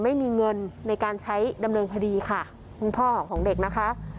ไม่มีเงินในการใช้ดำเนินคดีค่ะคุณพ่อของเด็กนะคะ